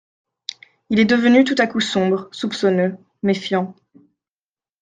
Il est devenu tout à coup sombre, soupçonneux, méfiant.